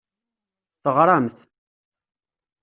Teɣramt.